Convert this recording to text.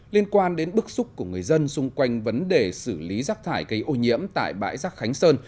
liên quan đến bức xúc của người dân xung quanh vấn đề xử lý rác thải cây ô nhiễm tại bãi rác khánh sơn